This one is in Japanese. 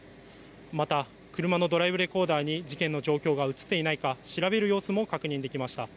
また車のドライブレコーダーに、事件の状況が写っていないか、調べる様子も確認できました。